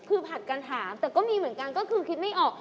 คือผลัดกันถามแต่ก็มีเหมือนกันก็คือคิดไม่ออก